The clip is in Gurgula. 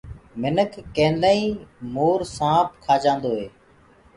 منک ڪيدآئين مور سآنپ کآ جآندوئي